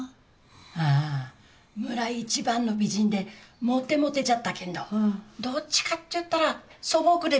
ああ村一番の美人でモテモテじゃったけんどどっちかっちゅったら素朴で美人。